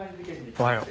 おはよう。